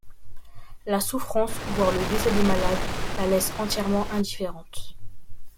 La souffrance voire le décès des malades la laisse entièrement indifférente...